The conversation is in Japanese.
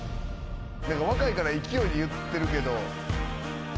若いから勢いで言ってるけど。